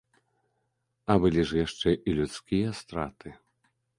А былі ж яшчэ і людскія страты.